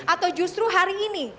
atau justru hari ini